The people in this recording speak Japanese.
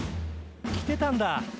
来てたんだ！